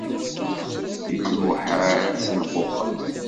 D lmuḥal ad tenquqel.